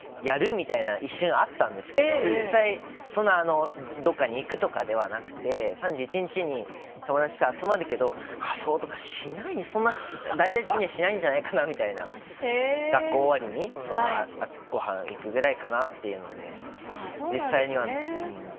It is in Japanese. みたいな、一瞬あったんですけれども、実際、どっかに行くとかではなくて、３１日に友達と集まるけど、仮装とかしない、そんな大々的にはしないんじゃないかなみたいな、学校終わりに、ごはん行くぐらいかなっていうので、実際には、うーん。